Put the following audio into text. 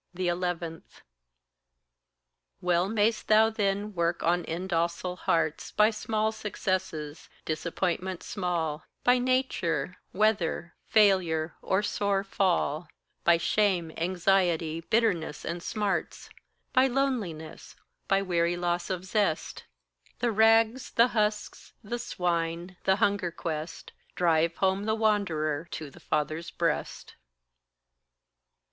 11. Well mayst thou then work on indocile hearts By small successes, disappointments small; By nature, weather, failure, or sore fall; By shame, anxiety, bitterness, and smarts; By loneliness, by weary loss of zest: The rags, the husks, the swine, the hunger quest, Drive home the wanderer to the father's breast.